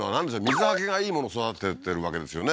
水捌けが良いもの育ててるわけですよね？